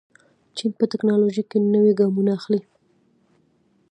چین په تکنالوژۍ کې نوي ګامونه اخلي.